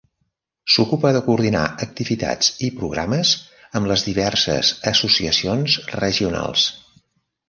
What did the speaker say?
S'ocupa de coordinar activitats i programes amb les diverses associacions regionals.